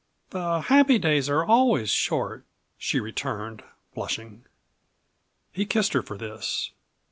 "The happy days are always short," she returned, blushing. He kissed her for this.